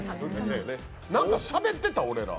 何かしゃべってた、俺ら？